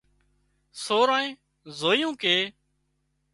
سورانئين زويُون ڪي